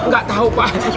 gak tau pak